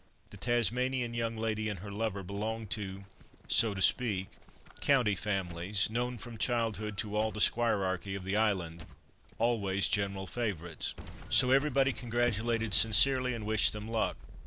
The Tasmanian young lady and her lover belonged to (so to speak) "county" families, known from childhood to all the squirearchy of the island—always general favourites. So everybody congratulated sincerely and wished them luck.